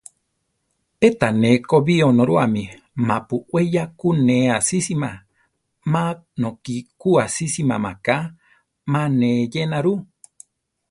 Pe tané ko bi Onorúame ma-pu we ya ku ne asísima; má nokí ku asísima maká: má ne eyéna ru.